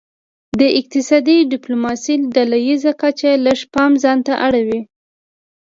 د اقتصادي ډیپلوماسي ډله ایزه کچه لږ پام ځانته اړوي